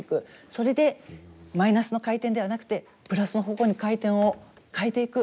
それでマイナスの回転ではなくてプラスの方向に回転を変えていく。